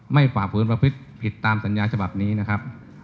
ฝ่าฝืนประพฤติผิดตามสัญญาฉบับนี้นะครับ